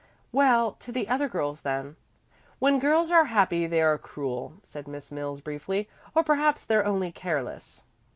"Well, to the other girls then." "When girls are happy they are cruel," said Miss Mills briefly, "or perhaps they're only careless."